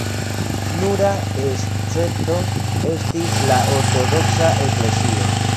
Nura escepto estis la ortodoksa eklezio.